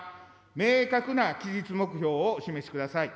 明確な期日目標をお示しください。